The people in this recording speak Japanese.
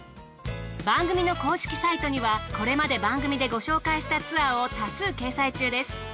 番組の公式サイトにはこれまで番組でご紹介したツアーを多数掲載中です。